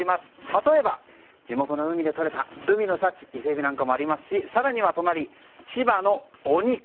例えば、地元の海でとれた海の幸イセエビなんかもありますし更には隣、千葉のお肉。